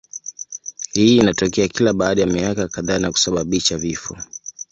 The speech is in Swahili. Hii inatokea kila baada ya miaka kadhaa na kusababisha vifo.